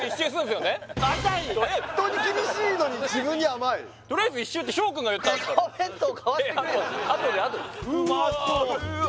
人に厳しいのに自分に甘いとりあえず１周って翔くんが言ったんですからあとであとでうわー！